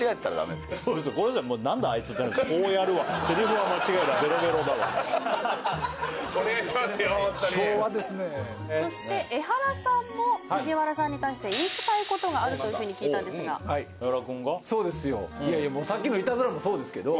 ホントに昭和ですねそしてエハラさんも藤原さんに対して言いたいことがあるというふうに聞いたんですがエハラくんが？